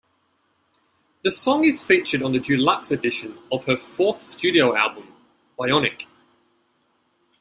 The song is featured on the deluxe edition of her fourth studio album "Bionic".